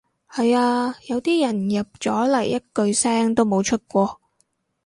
係呀，有啲人入咗嚟一句聲都冇出過